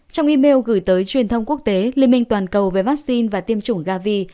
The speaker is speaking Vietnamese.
trong email gửi tới truyền thông quốc tế liên minh toàn cầu về vaccine và tiêm chủng gavi